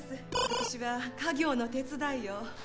私は家業の手伝いを。